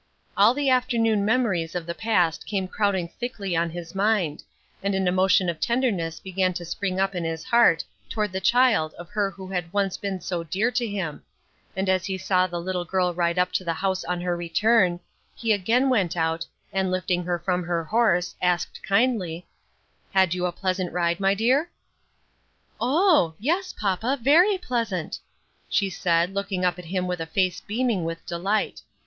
All the afternoon memories of the past came crowding thickly on his mind, and an emotion of tenderness began to spring up in his heart toward the child of her who had once been so dear to him; and as he saw the little girl ride up to the house on her return, he again went out, and lifting her from her horse, asked kindly, "Had you a pleasant ride, my dear?" "Oh! yes, papa, very pleasant," she said, looking up at him with a face beaming with delight.